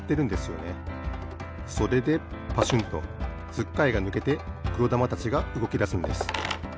それでパシュンとつっかえがぬけてくろだまたちがうごきだすんです。